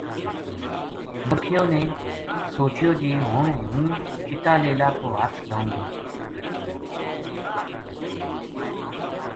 نولکھیو نے سوچیو جی ہن ہوں چِٹا لیلا پو ہتھ لائوں گو